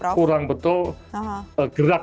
kurang betul gerak